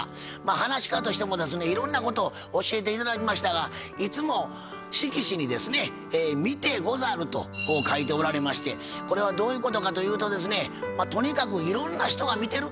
はなし家としてもですねいろんなことを教えて頂きましたがいつも色紙にですね「みてござる」とこう書いておられましてこれはどういうことかというとですねとにかくいろんな人が見てる。